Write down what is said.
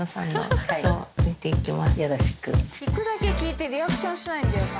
聞くだけ聞いてリアクションしないんだよな。